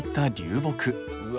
うわ。